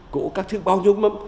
cổ các thứ bao nhiêu mâm